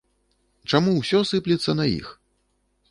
Чаму ўсё сыплецца на іх?